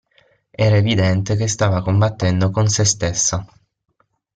Era evidente che stava combattendo con sé stessa.